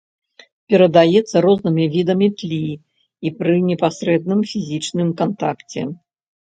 Перадаецца рознымі відамі тлі і пры непасрэдным фізічным кантакце.